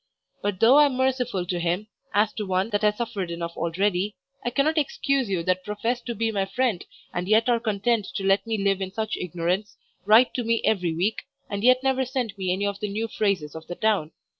But though I am merciful to him, as to one that has suffered enough already, I cannot excuse you that profess to be my friend and yet are content to let me live in such ignorance, write to me every week, and yet never send me any of the new phrases of the town.